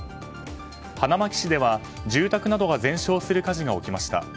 花巻市では、住宅などが全焼する火事が起きました。